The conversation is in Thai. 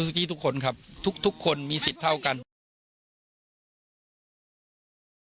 ลุงพลบอกว่ามันก็เป็นการทำความเข้าใจกันมากกว่าเดี๋ยวลองฟังดูค่ะ